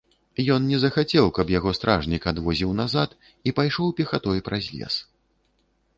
Ён не захацеў, каб яго стражнік адвозіў назад, і пайшоў пехатой праз лес.